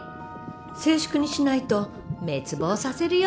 静粛にしないと滅亡させるよ。